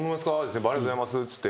先輩ありがとうございますって。